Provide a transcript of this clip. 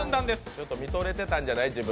ちょっと自分に見とれてたんじゃない？